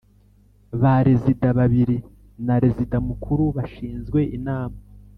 Ba Rezida babiri na Rezida mukuru bashinzwe inama